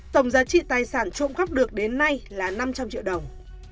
tổng giá trị tài sản trộm cắp được đến nay là năm trăm linh triệu đồng